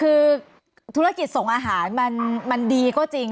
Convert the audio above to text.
คือธุรกิจส่งอาหารมันดีก็จริง